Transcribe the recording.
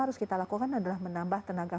harus kita lakukan adalah menambah tenaga